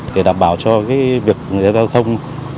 để đảm bảo cho việc giao thông